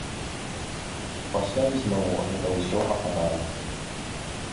Пасля ізноў гэта ўсё ападала.